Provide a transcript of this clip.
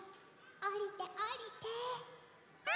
おりておりて。